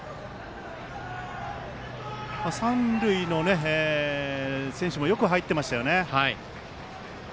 三塁の選手もよく入っていましたよね。